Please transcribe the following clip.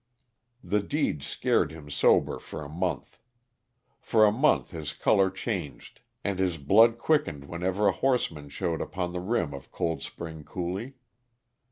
The deed scared him sober for a month. For a month his color changed and his blood quickened whenever a horseman showed upon the rim of Cold Spring Coulee.